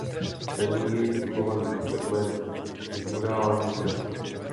Cenný je i dochovaný fragment figurální fresky.